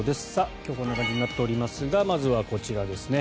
今日はこんな感じになっておりますがまずはこちらですね。